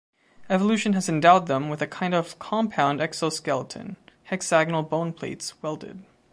Evolution has endowed them with a kind of compound exoskeleton hexagonal bone plates welded.